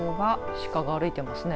鹿が歩いてますね。